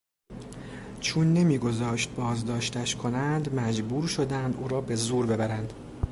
چون نمیگذاشت بازداشتش کنند مجبور شدند او را به زور ببرند.